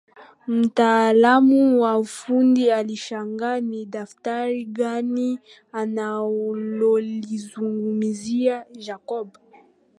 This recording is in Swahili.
Mtaalamu wa ufundi alishangaa ni daftari gani analolizungumzia Jacob